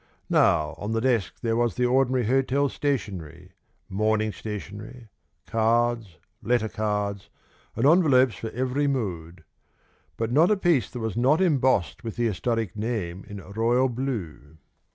Now, on the desk there was the ordinary hotel stationery, mourning stationery, cards, letter cards, and envelopes for every mood; but not a piece that was not embossed with the historic name in royal blue.